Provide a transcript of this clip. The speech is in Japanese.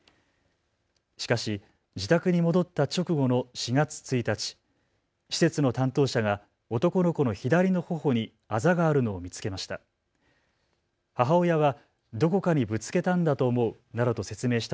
しかし、自宅に戻った直後の４月１日、施設の担当者が男の子の左のほほにあざがあるのを見つけました。